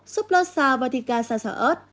súp lô xào và thịt gà xào xào ớt